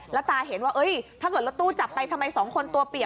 แล้วตาเห็นว่าถ้าเกิดรถตู้จับไปทำไมสองคนตัวเปียก